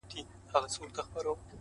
• او پر ځان یې حرام کړي وه خوبونه ,